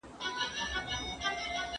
ډاکټر د څېړنو یادونه کوي.